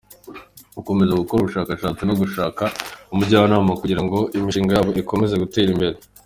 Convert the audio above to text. Gukomeza gukora ubushakashatsi no gushaka ubujyanama kugira ngo imishinga yabo ikomeze gutera imbere.